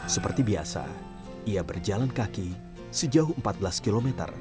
seperti biasa ia berjalan kaki sejauh empat belas km